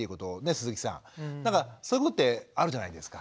鈴木さんなんかそういうことってあるじゃないですか。